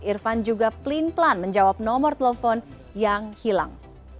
irfan juga pelin pelan menjawab nomor telepon yang hilang